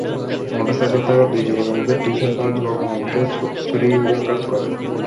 মোটরসাইকেলে থাকা দুই যুবকের মধ্যে টি-শার্ট পরা যুবক মামুনকে ছুরিকাঘাত করেন।